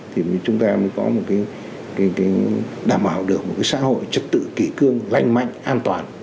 thì chúng ta mới có một cái đảm bảo được một cái xã hội trật tự kỷ cương lanh mạnh an toàn